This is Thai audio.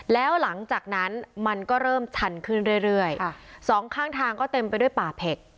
แล้วหลังจากนั้นมันก็เริ่มชันขึ้นเรื่อยเรื่อยสองข้างทางก็เต็มไปด้วยป่าเผ็ก